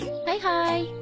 はいはい。